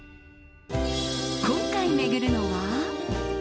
今回巡るのは。